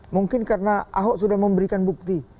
mungkin karena ahok sudah memberikan bukti